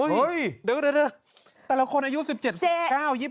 เฮ้ยเดี๋ยวแต่ละคนอายุ๑๗๑๙๒๒นะ